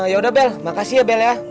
yaudah bel makasih ya bel ya